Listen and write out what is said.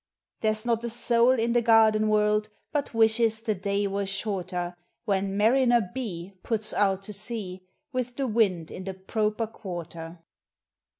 There 's not a soul in the garden world But wishes the day were shorter, When Mariner B. puts out to sea With the wind in the proper quarter.